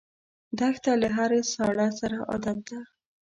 دښته له هرې ساړه سره عادت ده.